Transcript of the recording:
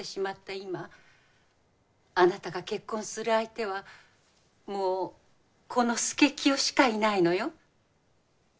今あなたが結婚する相手はもうこの佐清しかいないのよ。